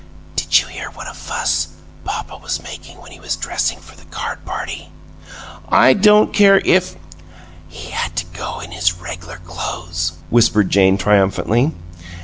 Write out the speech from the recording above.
"Did you hear what a fuss papa was makin' when he was dressin' for the card party?" "I don't care if " "He had to go in his reg'lar clo'es!" whispered Jane, triumphantly.